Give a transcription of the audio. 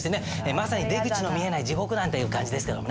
まさに出口の見えない地獄なんていう感じですけどもね。